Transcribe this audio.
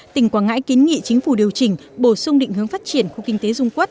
tỉnh quảng ngãi kiến nghị chính phủ điều chỉnh bổ sung định hướng phát triển khu kinh tế dung quốc